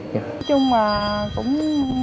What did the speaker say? nói chung là cũng